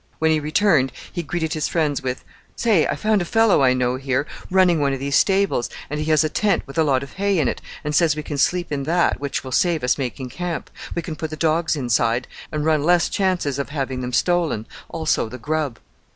When he returned he greeted his friends with: "Say, I found a fellow I know here running one of these stables, and he has a tent with a lot of hay in it, and says we can sleep in that, which will save us making camp. We can put the dogs inside and run less chances of having them stolen; also the grub."